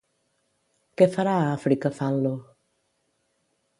Què farà Àfrica Fanlo?